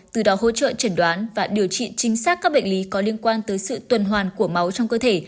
từ đó hỗ trợ trần đoán và điều trị chính xác các bệnh lý có liên quan tới sự tuần hoàn của máu trong cơ thể